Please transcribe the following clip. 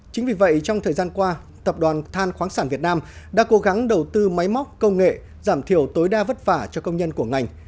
chính vì vậy trong thời gian qua tập đoàn than khoáng sản việt nam đã cố gắng đầu tư máy móc công nghệ giảm thiểu tối đa vất vả cho công nhân của ngành